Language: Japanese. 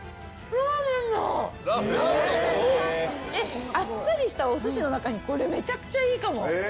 ラーメン？あっさりしたお寿司の中に、これ、めちゃくちゃいいかも。